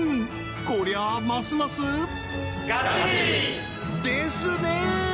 こりゃあますますですね！